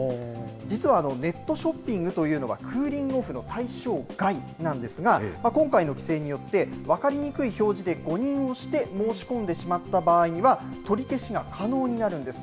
実は、ネットショッピングというのはクーリングオフの対象外なんですが、今回の規制によって、分かりにくい表示で誤認をして申し込んでしまった場合には、取り消しが可能になるんです。